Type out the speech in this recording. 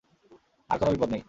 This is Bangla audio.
আর কোনো বিপদ নেই।